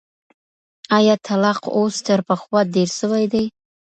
ایا طلاق اوس تر پخوا ډېر سوی دی؟